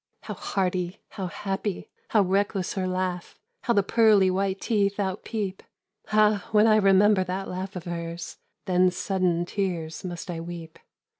"How hearty, how happy, how reckless her laugh! How the pearly white teeth outpeep! Ah! when I remember that laugh of hers, Then sudden tears must I weep.